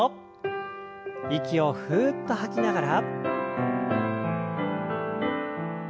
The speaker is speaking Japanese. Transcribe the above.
息をふっと吐きながら。